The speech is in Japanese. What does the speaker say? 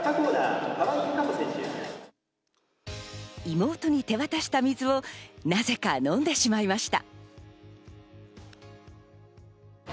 妹に手渡した水をなぜか飲んでしまいました。